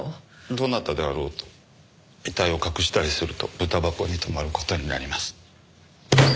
どなたであろうと遺体を隠したりするとブタ箱に泊まる事になります。